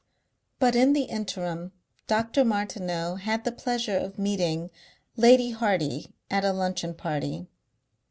But in the interim Dr. Martineau had the pleasure of meeting Lady Hardy at a luncheon party.